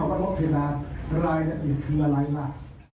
พลความโนะเคว้า